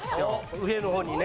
上の方にね。